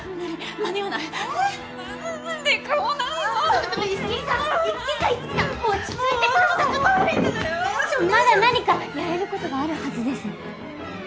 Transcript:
まだ何かやれることがあるはずです。